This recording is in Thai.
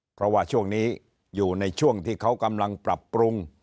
เพราะว่าช่วงนี้อยู่ในช่วงที่เขากำลังปรับปรุง